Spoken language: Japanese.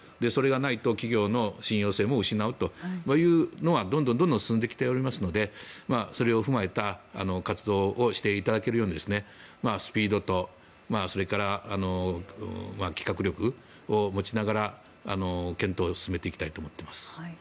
それがないと企業の信用性も失うというのはどんどん進んできておりますのでそれを踏まえた活動をしていただけるようにスピードと企画力を持ちながら検討を進めていきたいと思っています。